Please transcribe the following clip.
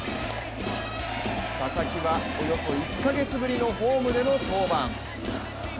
佐々木はおよそ１か月ぶりのホームでの登板。